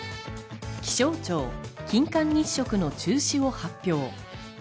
気象庁、金環日食の中止を発表。